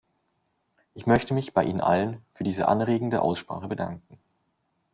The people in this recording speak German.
Ich möchte mich bei Ihnen allen für diese anregende Aussprache bedanken.